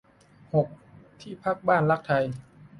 หก ที่พักบ้านรักไทย